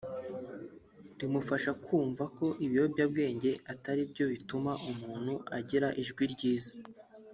rimufasha kumva ko ibiyobyabwenge atari byo bituma umuntu agira ijwi ryiza